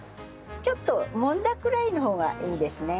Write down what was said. ちょっともんだくらいの方がいいですね。